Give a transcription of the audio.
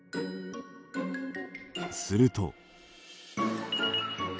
すると。